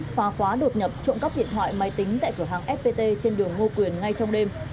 phá khóa đột nhập trộm cắp điện thoại máy tính tại cửa hàng fpt trên đường ngô quyền ngay trong đêm